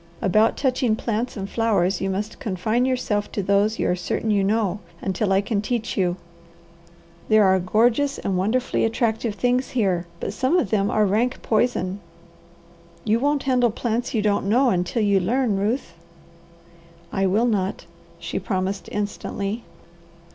About touching plants and flowers, you must confine yourself to those you are certain you know, until I can teach you. There are gorgeous and wonderfully attractive things here, but some of them are rank poison. You won't handle plants you don't know, until you learn, Ruth?" "I will not," she promised instantly.